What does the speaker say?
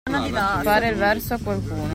Fare il verso a qualcuno.